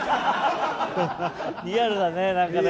リアルだねなんかね。